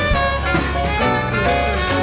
จากได้